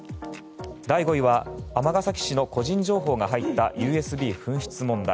第５位は尼崎市の個人情報が入ったＵＳＢ紛失問題。